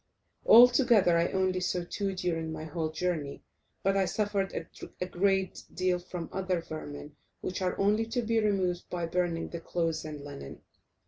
Altogether I only saw two during my whole journey, but I suffered a great deal from other vermin, which are only to be removed by burning the clothes and linen.